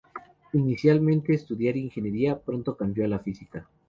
Inicialmente estudiar ingeniería pronto cambió a la física.